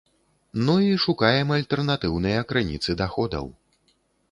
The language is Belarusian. Ну і шукаем альтэрнатыўныя крыніцы даходаў.